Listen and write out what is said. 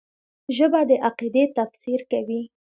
ژبه د عقیدې تفسیر کوي